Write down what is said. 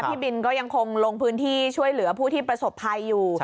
พี่บินก็ยังคงลงพื้นที่ช่วยเหลือผู้ที่ประสบภัยอยู่